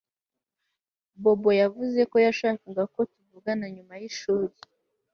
Bobo yavuze ko yashakaga ko tuvugana nyuma yishuri